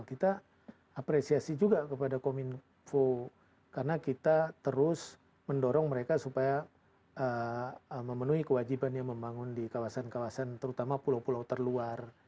kita apresiasi juga kepada kominfo karena kita terus mendorong mereka supaya memenuhi kewajibannya membangun di kawasan kawasan terutama pulau pulau terluar